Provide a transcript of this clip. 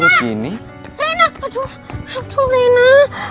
rena aduh aduh rena